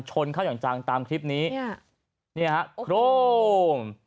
ชนเข้าอย่างจังตามคลิปนี้เนี่ยฮะโครง